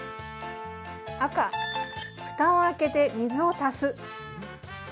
赤・ふたを開けて水を足す。